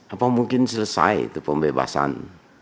apa mungkin selesai itu pembebasan